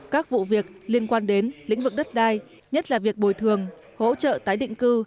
các vụ việc liên quan đến lĩnh vực đất đai nhất là việc bồi thường hỗ trợ tái định cư